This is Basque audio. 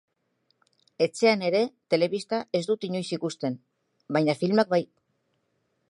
Etxean ere, telebista ez dut inoiz ikusten, baina filmak bai.